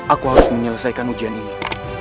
aku harus menyelesaikan ujian ini